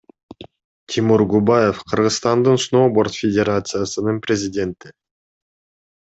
Тимур Губаев — Кыргызстандын сноуборд федерациясынын президенти.